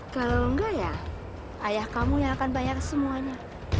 kalau enggak ya ayah kamu yang akan banyak semuanya